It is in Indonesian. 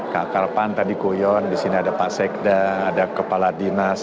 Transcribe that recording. kakalpan tadi koyon di sini ada pak sekda ada kepala dinas